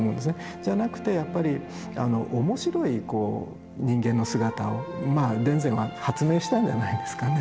じゃなくてやっぱり面白いこう人間の姿を田善は発明したんじゃないんですかね。